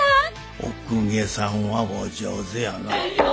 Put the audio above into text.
お公家さんはお上手やなぁ。